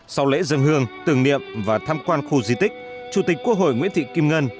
sau lễ dân hương tưởng niệm và tham quan khu di tích chủ tịch quốc hội nguyễn thị kim ngân